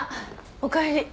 おかえり。